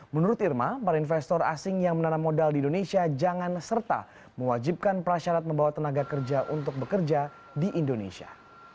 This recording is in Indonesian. menurut irma para investor asing yang menanam modal di indonesia jangan serta mewajibkan prasyarat membawa tenaga kerja untuk bekerja di indonesia